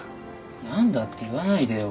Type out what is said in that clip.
「何だ」って言わないでよ。